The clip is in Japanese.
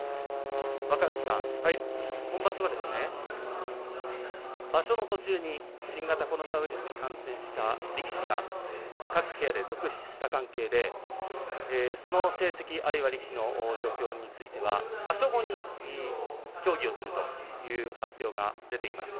若藤さん、今場所は場所の途中に新型コロナウイルスに感染した力士が各部屋で続出した関係でその成績、あるいは力士の状況については場所後に協議するという発表が出ています。